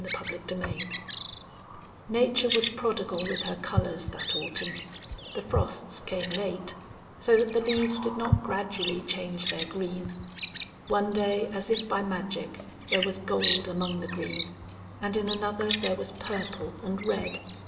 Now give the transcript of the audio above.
CHAPTER XX Nature was prodigal with her colors that autumn. The frosts came late, so that the leaves did not gradually change their green. One day, as if by magic, there was gold among the green, and in another there was purple and red.